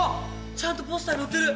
ちゃんとポスターに載ってる。